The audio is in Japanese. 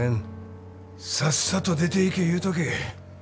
さっさと出ていけ言うとけ。